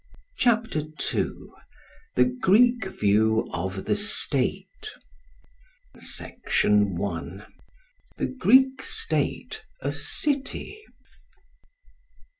CHAPTER II THE GREEK VIEW OF THE STATE Section 1. The Greek State a "City."